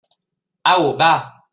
Au, va!